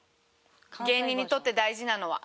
芸人にとって大事なのは。